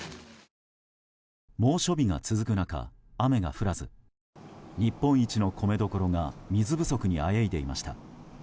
猛暑日が続く中、雨が降らず日本一の米どころが水不足にあえいでいました。